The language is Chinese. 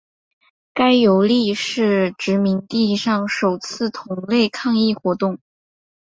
该游利是殖民地上首次同类抗议活动。